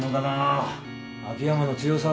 秋山の強さは。